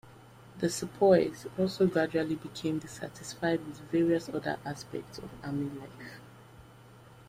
The sepoys also gradually became dissatisfied with various other aspects of army life.